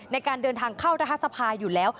ในการเดินทางเข้ารัฐสภาอยู่แล้ว